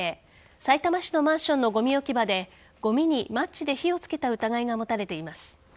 さいたま市のマンションのごみ置き場でごみにマッチで火をつけた疑いが持たれています。